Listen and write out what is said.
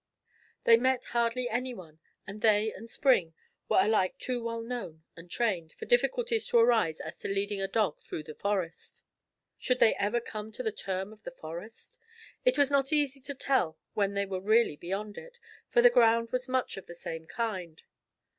They met hardly any one, and they and Spring were alike too well known and trained, for difficulties to arise as to leading a dog through the Forest. Should they ever come to the term of the Forest? It was not easy to tell when they were really beyond it, for the ground was much of the same kind.